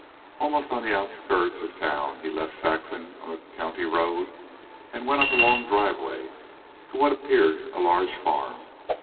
Almost on the outskirts of town he left Saxon on the county road and went up a long driveway to what appeared a large farm.